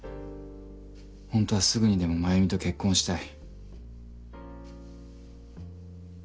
ほんとはすぐにでも繭美と結婚したい。